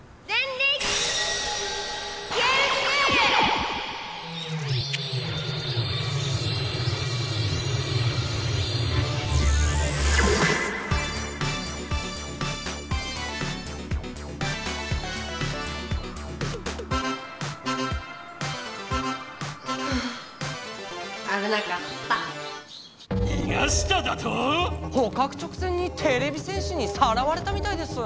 にがしただと⁉ほかく直前にてれび戦士にさらわれたみたいです。